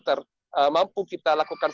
termampu kita lakukan